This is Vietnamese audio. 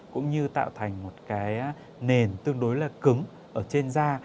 cũng như tạo thành một cái nền tương đối là cứng ở trên da